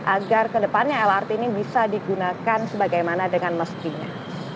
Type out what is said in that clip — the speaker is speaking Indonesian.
agar kedepannya lrt ini bisa digunakan sebagaimana dengan mestinya